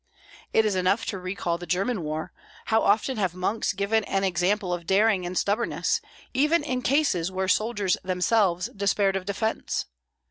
It is enough to recall the German war; how often have monks given an example of daring and stubbornness, even in cases where soldiers themselves despaired of defence!